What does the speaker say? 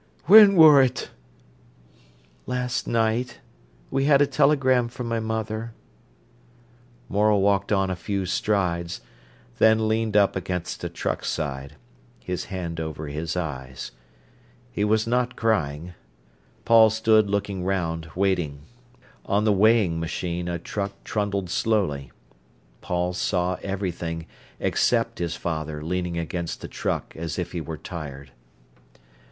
"When wor't?" "Last night. We had a telegram from my mother." Morel walked on a few strides, then leaned up against a truck side, his hand over his eyes. He was not crying. Paul stood looking round, waiting. On the weighing machine a truck trundled slowly. Paul saw everything, except his father leaning against the truck as if he were tired.